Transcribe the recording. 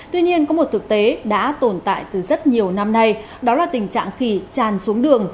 tuy nhiên có một thực tế đã tồn tại từ rất nhiều năm nay đó là tình trạng khỉ tràn xuống đường